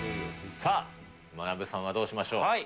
さあ、まなぶさんはどうしましょう。